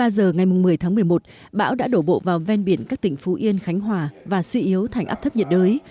một mươi giờ ngày một mươi tháng một mươi một bão đã đổ bộ vào ven biển các tỉnh phú yên khánh hòa và suy yếu thành áp thấp nhiệt đới